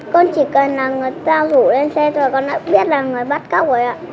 con chỉ cần là người ta rủ lên xe rồi con lại cũng biết là người bắt cóc rồi ạ